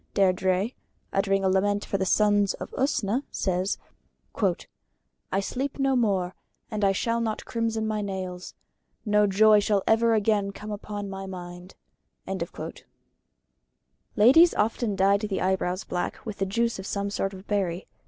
Deirdrĕ, uttering a lament for the sons of Usna, says: "I sleep no more, and I shall not crimson my nails; no joy shall ever again come upon my mind." Ladies often dyed the eyebrows black with the juice of some sort of berry.